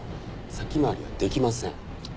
先回りはできません。